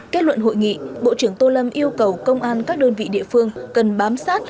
kết luận hội nghị bộ trưởng tô lâm yêu cầu công an các đơn vị địa phương cần bám sát